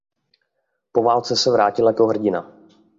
Po válce se vrátil jako hrdina.